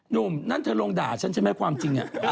หนุ่มนั่นเธอลงด่าฉันใช่ไหมความจริง